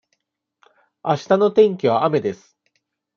あしたの天気は雨です。